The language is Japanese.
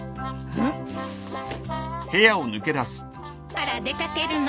・あら出掛けるの？